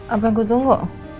apa yang kutunggu